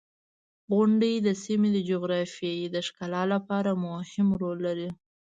• غونډۍ د سیمې د جغرافیې د ښکلا لپاره مهم رول لري.